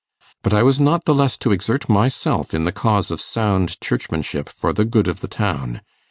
But I was not the less to exert myself in the cause of sound Churchmanship for the good of the town.